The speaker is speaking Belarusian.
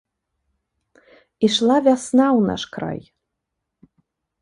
Ішла вясна ў наш край.